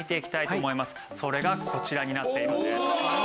それがこちらになっているんです。